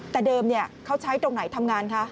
แต่เดิมเขาใช้ตรงไหนทำงานคะ